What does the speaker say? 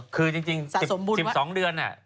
คือจริง๑๒เดือนเนี่ย